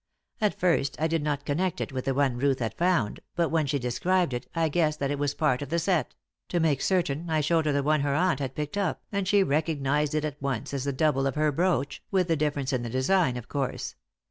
At first I did not connect it with the one Ruth had found, but when she described it I guessed that it was part of the set; to make certain I shewed her the one her aunt had picked up, and she recognised it at once as the double of her brooch, with the difference in the design, of course.